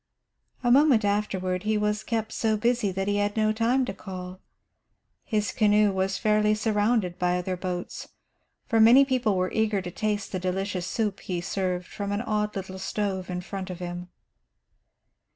A moment afterward he was kept so busy that he had no time to call. His canoe was fairly surrounded by other boats, for many people were eager to taste the delicious soup he served from an odd little stove in front of him.